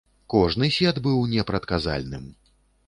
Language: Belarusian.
Кожны сет быў непрадказальным.